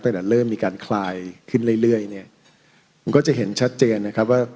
ตั้งแต่เริ่มมีการคลายขึ้นเรื่อยเรื่อยเนี่ยมันก็จะเห็นชัดเจนนะครับว่า